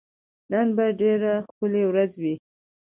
نن به ډېره ښکلی ورځ وي